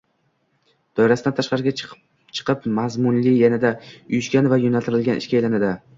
doirasidan tashqariga chiqib mazmunli, yanada uyushgan va yo‘naltirilgan ishga aylanadi.